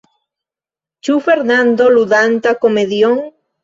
Ĉu Fernando ludanta komedion?